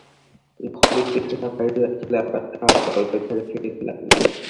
ঘর হইতে যাহা বাহির হইয়াছিল, আবার তাহা অল্পে অল্পে ঘরে ফিরিতে লাগিল।